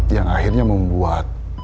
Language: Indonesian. yang akhirnya membuat